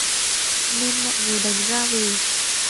Nên mọi người đành ra về